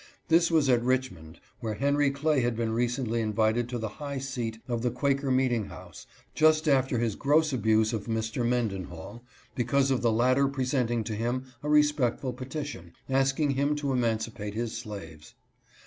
This was at Richmond, where Henry Clay had been recently invited to the high seat of the Quaker meeting house just after his gross abuse of Mr. Mendenhall, be cause of the latter presenting to him a respectful petition, asking him to emancipate his slaves.